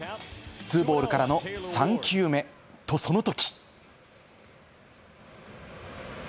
２ボールからの３球目、と、その時。